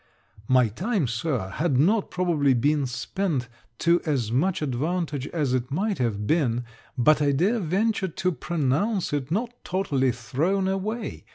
My time, Sir, had not probably been spent to as much advantage as it might have been, but I dare venture to pronounce it not totally thrown away.